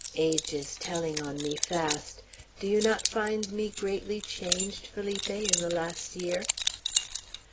Age is telling on me fast. Do you not find me greatly changed, Felipe, in the last year?"